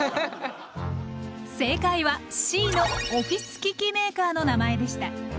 正解はＣの「オフィス機器メーカーの名前」でした。